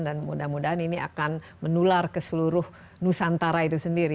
dan mudah mudahan ini akan menular ke seluruh nusantara itu sendiri